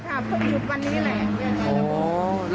ค่ะเพราะว่าอยู่วันนี้แหละ